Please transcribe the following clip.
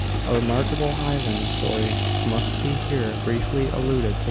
A remarkable Highland story must be here briefly alluded to.